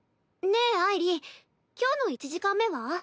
ねえあいり今日の１時間目は？